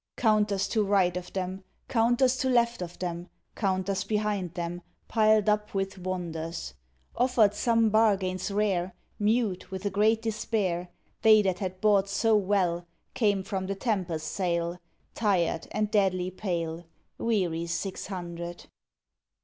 46 Counters to right of them, Counters to left of them, Counters behind them Piled up with wonders ; Offered some bargains rare. Mute with a great despair They that had bought so well Came from the "Tempus " Sale Tired and deadly pale. Weary six hundred.